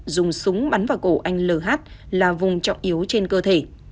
dùng súng bắn vào cổ anh l là vùng trọng yếu trên cơ thể